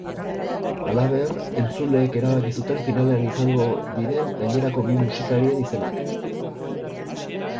Halaber, entzuleek erabaki zuten finalean izango diren gainerako bi musikarien izenak.